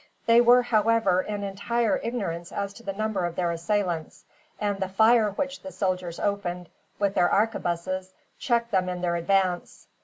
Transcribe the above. They were, however, in entire ignorance as to the number of their assailants; and the fire which the soldiers opened, with their arquebuses, checked them in their advance.